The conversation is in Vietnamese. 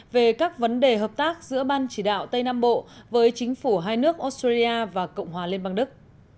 về các vấn đề hợp tác giữa ban chỉ đạo tây nam bộ với chính phủ hai nước australia và cộng hòa liên bang đức